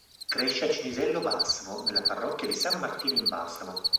Cresce a Cinisello Balsamo, nella parrocchia di San Martino in Balsamo.